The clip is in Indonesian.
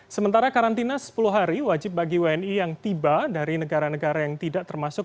sementara karantina sepuluh hari wajib bagi wni yang tiba dari negara negara yang tidak termasuk